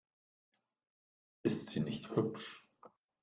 Ist sie nicht hübsch?